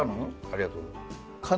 ありがとうございます。